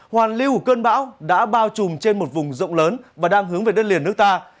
hoàn lưu của cơn bão đã bao trùm trên một vùng rộng lớn và đang hướng về đất liền nước ta